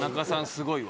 すごいわ。